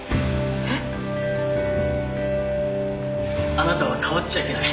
あなたは変わっちゃいけない。